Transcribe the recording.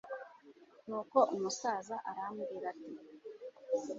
nuko umusaza aramubwira ati